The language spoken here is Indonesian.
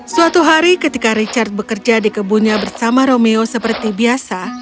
suatu hari ketika richard bekerja di kebunnya bersama romeo seperti biasa